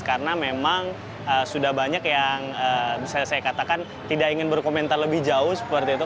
karena memang sudah banyak yang bisa saya katakan tidak ingin berkomentar lebih jauh seperti itu